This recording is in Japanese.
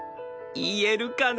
言えるかな？